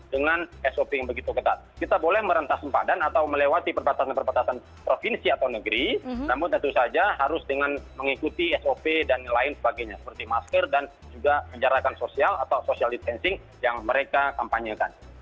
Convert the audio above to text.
dengan sop yang begitu ketat kita boleh merentas sempadan atau melewati perbatasan perbatasan provinsi atau negeri namun tentu saja harus dengan mengikuti sop dan lain sebagainya seperti masker dan juga menjalankan sosial atau social distancing yang mereka kampanyekan